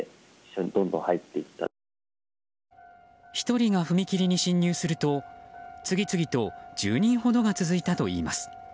１人が踏切に進入すると次々と１０人ほどが続いたといいます。